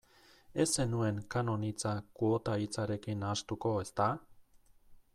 Ez zenuen kanon hitza kuota hitzarekin nahastuko, ezta?